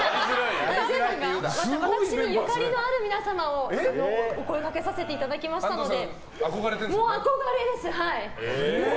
私にゆかりのある皆様をお声掛けさせていただきましたので。